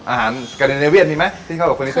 อาหารสกาเดนเนเวียนมีไหมที่เข้ากับเฟอร์นิเจอร์